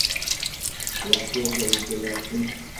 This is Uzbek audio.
Yaxshi yashaging kelyaptimi?